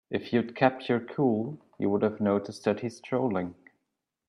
If you'd kept your cool, you would've noticed that he's trolling.